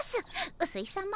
うすいさま